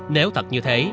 nếu thật như thế